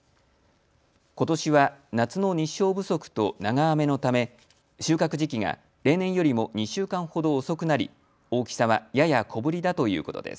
ことしは夏の日照不足と長雨のため収穫時期が例年よりも２週間ほど遅くなり大きさはやや小ぶりだということです。